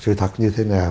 sự thật như thế nào